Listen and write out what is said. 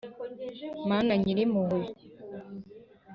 mana nyirimpuhwe